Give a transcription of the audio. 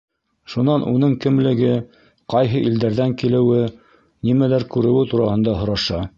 Шунан уның кемлеге, ҡайһы илдәрҙән килеүе, нимәләр күреүе тураһында һораша.